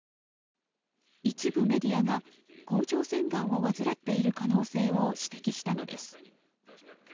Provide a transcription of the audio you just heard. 一部メディアが甲状腺がんを患っている可能性を指摘したのです。